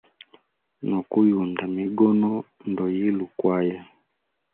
No kuyunda migono, ndoyile ukwaya.